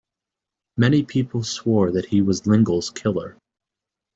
Many people swore that he was Lingle's killer.